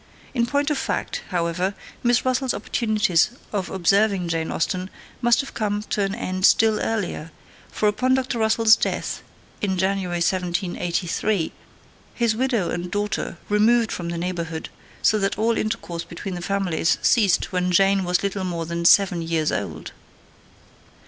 In point of fact, however, Miss Russell's opportunities of observing Jane Austen must have come to an end still earlier: for upon Dr. Russell's death, in January 1783, his widow and daughter removed from the neighbourhood, so that all intercourse between the families ceased when Jane was little more than seven years old.